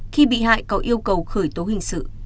khi bị hại có yêu cầu khởi tố hình sự